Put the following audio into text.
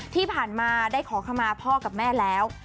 ที่ผ่านมาได้ขอขมาพ่อกับแม่แล้ว